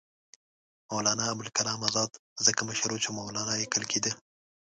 مولنا ابوالکلام آزاد ځکه مشر وو چې مولنا لیکل کېدی.